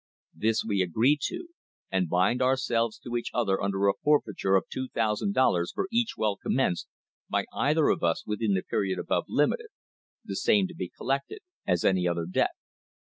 This we agree to, and bind ourselves to each other under a forfeiture of #2,000 for each well commenced by either of us within the period above limited — the same to be collected as any other debt.